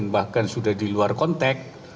bahkan sudah diluar konteks